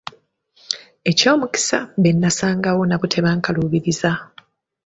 Eky'omukisa, be nnasangawo nabo tebankaluubiriza.